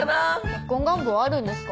結婚願望あるんですか？